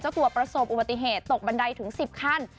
ตัวประสบอุบัติเหตุตกบันไดถึง๑๐ขั้น